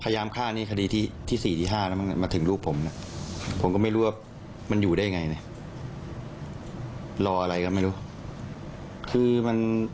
พยายามฆ่านี่คดีที่๔๕แล้วมาถึงลูกผม